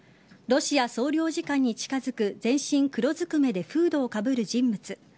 ロシア総領事館に近づく全身黒ずくめでフードをかぶる人物。